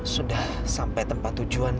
sudah sampai tempat tujuan